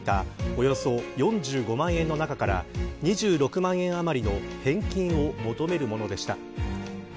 およそ４５万円の中から２６万円余りの返金を求めるものでした。